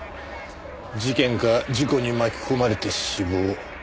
事件か事故に巻き込まれて死亡。